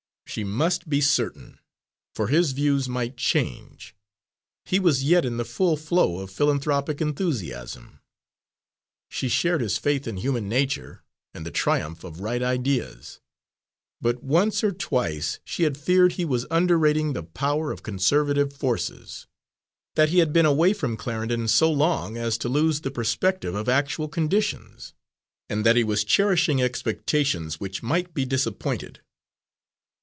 She must be certain; for his views might change. He was yet in the full flow of philanthropic enthusiasm. She shared his faith in human nature and the triumph of right ideas; but once or twice she had feared he was underrating the power of conservative forces; that he had been away from Clarendon so long as to lose the perspective of actual conditions, and that he was cherishing expectations which might be disappointed.